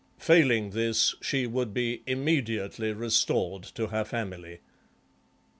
Failing this she would be immediately restored to her family."